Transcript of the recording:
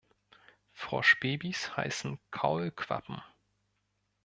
Froschbabys heißen Kaulquappen.